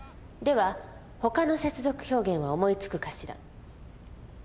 ほかの接続表現は思いつくかしら。